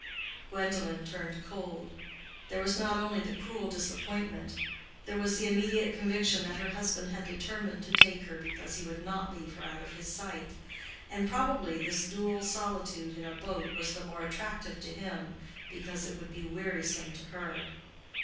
Gwendolen turned cold. There was not only the cruel disappointment; there was the immediate conviction that her husband had determined to take her because he would not leave her out of his sight; and probably this dual solitude in a boat was the more attractive to him because it would be wearisome to her.